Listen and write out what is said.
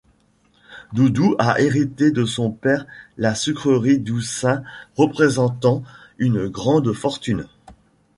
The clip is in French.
Doudou a hérité de son père la sucrerie Doucin représentant une grande fortune.